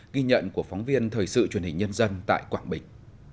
ghi nhận của phóng viên thời sự truyền hình nhân dân tại quảng bình